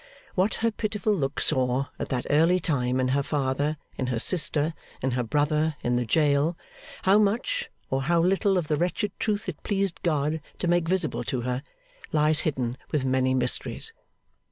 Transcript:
What her pitiful look saw, at that early time, in her father, in her sister, in her brother, in the jail; how much, or how little of the wretched truth it pleased God to make visible to her; lies hidden with many mysteries.